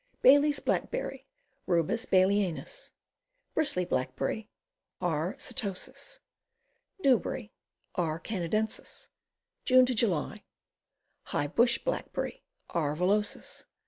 Bailey's Blackberry. Rubus Baileyanus. Bristly Blackberry. R. setosus. Dewberry. R. Canadensis. June July. High Bush Blackberry. jR. villosiis.